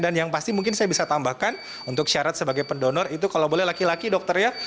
dan yang pasti mungkin saya bisa tambahkan untuk syarat sebagai pendonor itu kalau boleh laki laki dokter ya